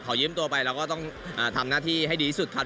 ยืมตัวไปเราก็ต้องทำหน้าที่ให้ดีที่สุดครับ